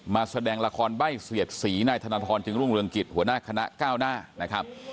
มาแสดงละครใบ่เสียดสีนายถนธรณ์จึงรุ่งเรียงกิจหัวหน้าคณะก้าวหน้า